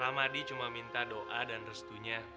ramadi cuma minta doa dan restunya